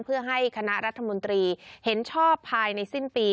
เพื่อให้คณะรัฐมนตรีเห็นชอบภายในสิ้นปี